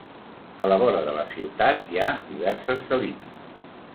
A la vora de la ciutat hi ha diverses salines.